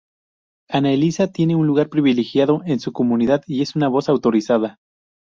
Ana Elisa tiene un lugar privilegiado en su comunidad y es una voz autorizada.